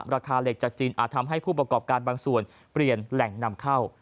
ราคาเหล็กจากจีนอาจทำให้ผู้ประกอบการบางส่วนเปลี่ยนแหล่งนำเข้า